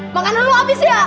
makan dulu abis ya